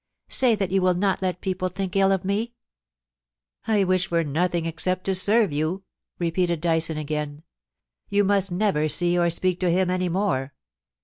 Say that you will not let people think ill of me !'* I wish for nothing except to serve you,' repeated Dyson again. *You must never see or speak to him any more